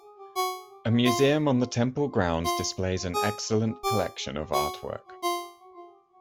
A museum on the temple grounds displays an excellent collection of artwork.